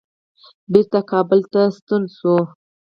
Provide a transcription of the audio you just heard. بیرته کابل ته ستون شو.